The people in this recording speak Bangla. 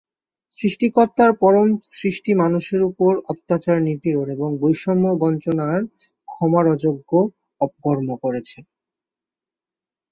সৃষ্টিকর্তার পরম সৃষ্টি মানুষের ওপর অত্যাচার-নিপীড়ন এবং বৈষম্য-বঞ্চনার ক্ষমার অযোগ্য অপকর্ম করেছে।